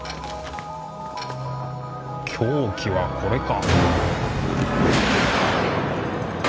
凶器はこれか。